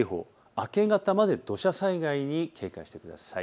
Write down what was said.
明け方まで土砂災害にご注意ください。